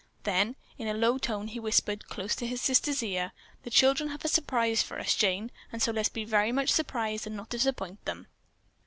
Then in a low tone he whispered close to his sister's ear, "The children have a surprise for us, Jane, and so let's be very much surprised and not disappoint them."